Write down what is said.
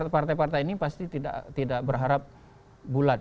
jadi partai partai ini pasti tidak berharap bulat